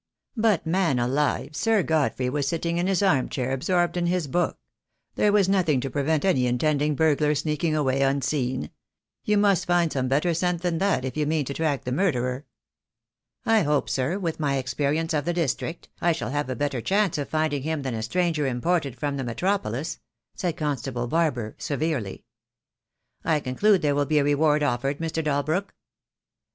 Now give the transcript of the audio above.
"But, man alive, Sir Godfrey was sitting in his arm chair, absorbed in his book. There was nothing to pre vent any intending burglar sneaking away unseen. You must find some better scent than that if you mean to track the murderer." "I hope, sir, with my experience of the district, I shall have a better chance of finding him than a stranger imported from the Metropolis," said Constable Barber, severely. "I conclude there will be a reward offered, Mr. Dalbrook?"